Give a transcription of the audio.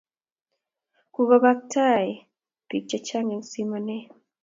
Kukobak tai biik che chang eng simaanee